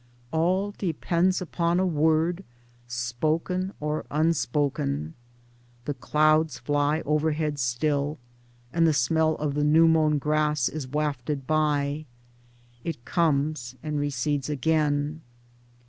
All depends upon a word spoken or unspoken. The clouds fly overhead still, and the smell of the new mown grass is wafted by. It comes and recedes again.